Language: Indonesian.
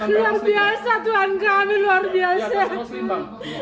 luar biasa tuhan kami luar biasa